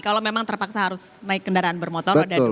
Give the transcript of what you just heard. kalau memang terpaksa harus naik kendaraan bermotor